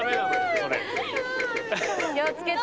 気をつけて。